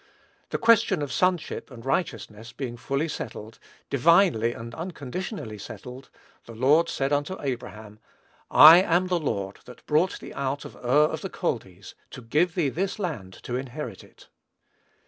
The question of sonship and righteousness being fully settled, divinely and unconditionally settled, the Lord said unto Abraham, "I am the Lord that brought thee out of Ur of the Chaldees, to give thee this land to inherit it."